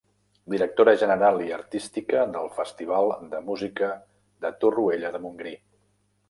Directora general i artística del Festival de Música de Torroella de Montgrí.